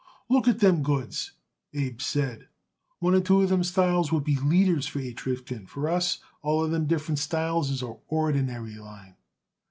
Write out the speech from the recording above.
"Look at them goods," Abe said. "One or two of them styles would be leaders for H. Rifkin. For us, all them different styles is our ordinary line."